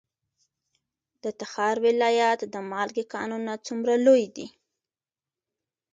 د تخار ولایت د مالګې کانونه څومره لوی دي؟